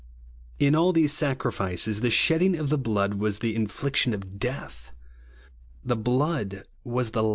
In all these sacrifices the shedding of the blood was the infliction of death. The "blood was the